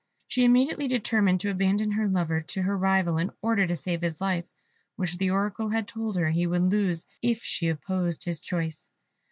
She immediately determined to abandon her lover to her rival in order to save his life, which the Oracle had told her he would lose if she opposed his choice.